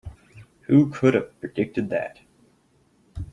Who could have predicted that?